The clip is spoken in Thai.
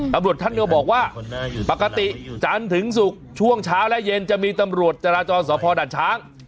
ตำรวจท่านเนี่ยวบอกว่าปกติจันทึงสุขช่วงเช้าและเย็นจะมีตำรวจจราจรสระพอด่านช้าง